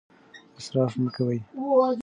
اسراف مه کوئ.